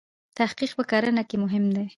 تحقیق په کرنه کې مهم دی.